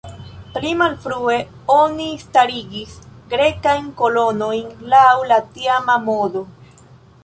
Pli malfrue, oni starigis grekajn kolonojn laŭ la tiama modo.